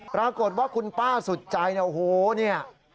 ปรากฏว่าคุณป้าสุดใจโอ้โฮนี่